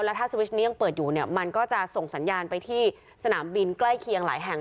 แล้วถ้าสวิชนี้ยังเปิดอยู่เนี่ยมันก็จะส่งสัญญาณไปที่สนามบินใกล้เคียงหลายแห่ง